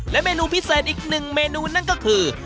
เมนูพิเศษอีกหนึ่งเมนูนั่นก็คือ